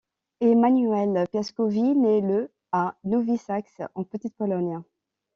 Emanuel Piaskowy naît le à Nowy Sącz, en Petite-Pologne.